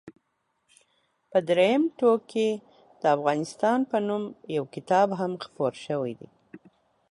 په درېیم ټوک کې د افغانستان په نوم یو کتاب هم خپور شوی دی.